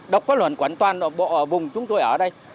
độc quá luẩn toàn bộ vùng chúng tôi ở đây